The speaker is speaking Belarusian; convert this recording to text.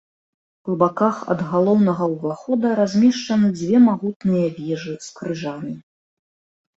Па баках ад галоўнага ўвахода размешчаны дзве магутныя вежы з крыжамі.